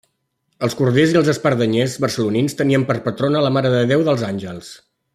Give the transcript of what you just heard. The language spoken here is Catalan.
Els corders i espardenyers barcelonins tenien per patrona la Mare de Déu dels Àngels.